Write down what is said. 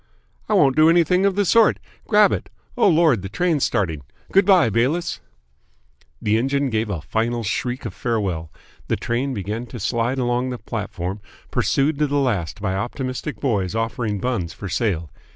"I won't do anything of the sort. Grab it! Oh, Lord, the train's starting! Good bye, Bayliss!" The engine gave a final shriek of farewell. The train began to slide along the platform, pursued to the last by optimistic boys offering buns for sale.